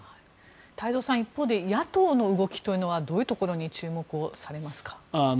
太蔵さん一方で野党の動きというのはどういうところに注目されますか？